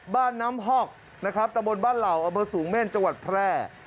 น้ำหอกนะครับตะบนบ้านเหล่าอำเภอสูงเม่นจังหวัดแพร่